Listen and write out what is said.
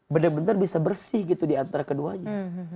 benar benar bisa bersih gitu diantara keduanya